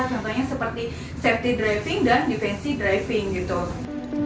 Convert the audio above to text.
contohnya seperti safety driving dan defensi driving gitu